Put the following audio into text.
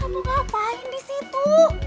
kamu ngapain disitu